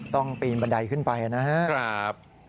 ปีนบันไดขึ้นไปนะครับ